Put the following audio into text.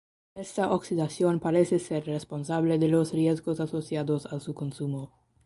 Esta oxidación parece ser responsable de los riesgos asociados a su consumo.